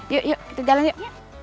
yuk yuk kita jalan yuk